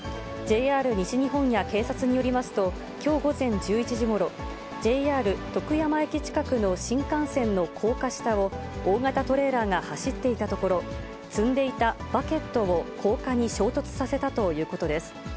ＪＲ西日本や警察によりますと、きょう午前１１時ごろ、ＪＲ徳山駅近くの新幹線の高架下を、大型トレーラーが走っていたところ、積んでいたバケットを高架に衝突させたということです。